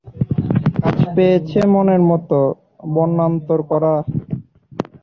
কাজ পেয়েছে মনের মতো, বর্ণান্তর করা।